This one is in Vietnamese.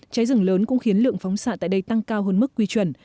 cháy rừng lớn cũng khiến lượng phóng xạ tại đây tăng cao hơn mức quy chuẩn